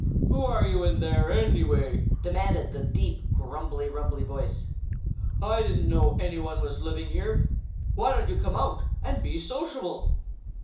"Who are you in there, anyway?" demanded the deep, grumbly, rumbly voice. "I didn't know any one was living here. Why don't you come out and be sociable?"